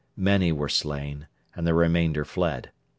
Many were slain, and the remainder fled.